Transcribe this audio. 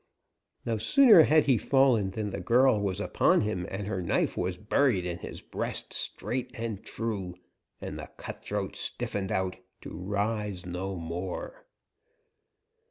No sooner had he fallen than the girl was upon him, and her knife was buried in his breast, straight and true, and the cutthroat stiffened out to rise no more.